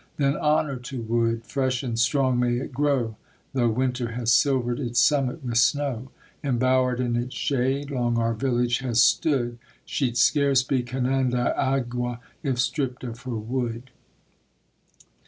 Then honor to wood! fresh and strong may it grow, 'Though winter has silvered its summit with snow; Embowered in its shade long our village has stood; She'd scarce be Canandaigua if stripped of her Wood.